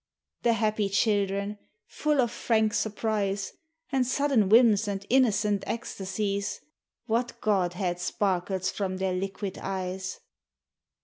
The happy children! full of frank surprise, And sudden whims and innocent ecstasies; What godhead sparkles from their liquid eyes!